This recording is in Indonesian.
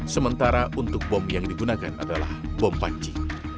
sementara untuk bom yang digunakan adalah bom panci